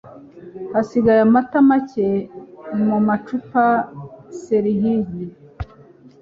Hasigaye amata make mumacupa. (Serhiy)